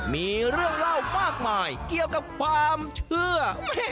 มีเรื่องเล่ามากมายเกี่ยวกับความเชื่อ